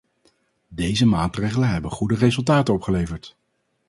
Deze maatregelen hebben goede resultaten opgeleverd.